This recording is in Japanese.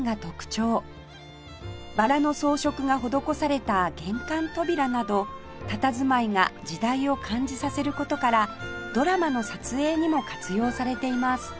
バラの装飾が施された玄関扉などたたずまいが時代を感じさせる事からドラマの撮影にも活用されています